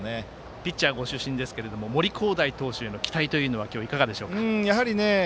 ピッチャーご出身ですが森煌誠選手への期待はいかがでしょうか。